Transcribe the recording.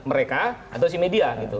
mereka atau si media gitu